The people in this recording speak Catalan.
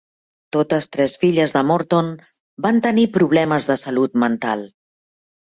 Totes tres filles de Morton van tenir problemes de salut mental.